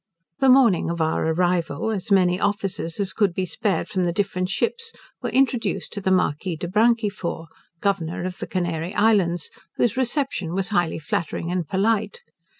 The morning of our arrival, as many officers as could be spared from the different ships were introduced to the Marquis de Brancifort, Governor of the Canary Islands, whose reception was highly flattering and polite.